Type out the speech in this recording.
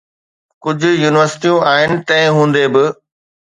ڪجهه يونيورسٽيون آهن، تنهن هوندي به.